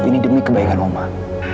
ini demi kebaikan omah